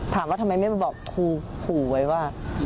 ถามว่าทำไมไม่ไปบอกครูขู่ไว้ว่า